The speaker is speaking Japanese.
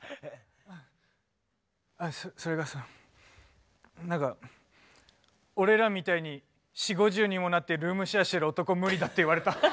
あそれがさ何か俺らみたいに４０５０にもなってルームシェアしてる男無理だって言われた。